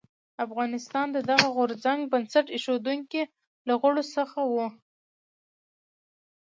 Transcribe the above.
افغانستان د دغه غورځنګ بنسټ ایښودونکو له غړو څخه و.